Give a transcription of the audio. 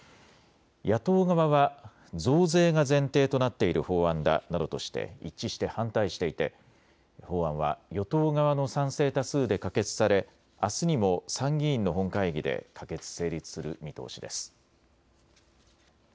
野党側は増税が前提となっている法案だなどとして一致して反対していて法案は与党側の賛成多数で可決されあすにも参議院の本会議で可決・成立する見通しです。